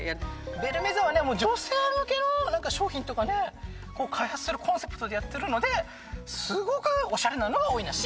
ベルメゾンは女性向けの商品とかね開発するコンセプトでやってるのですごくおしゃれなのが多いなっし。